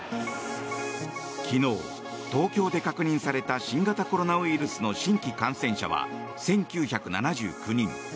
昨日、東京で確認された新型コロナウイルスの新規感染者は１９７９人。